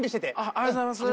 ありがとうございます。